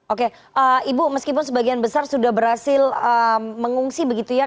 oke ibu meskipun sebagian besar sudah berhasil mengungsi begitu ya